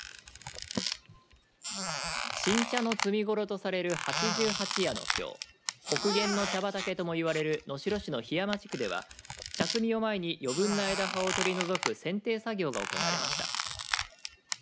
新茶の摘み頃とされる八十八夜のきょう北限の茶畑ともいわれる能代市の檜山地区では茶摘みを前に余分な枝葉を取り除くせんてい作業が行なわれました。